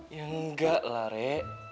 ya enggak lah re